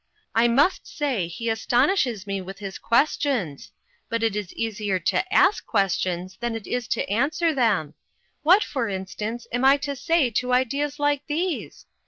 I must say he astonishes me with his questions ; but it is easier to ask ques tions than it is to answer them. What, for instance, am I to say to ideas like these?